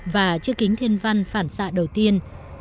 và chiếc kính thiên văn phản xạ đầu tiên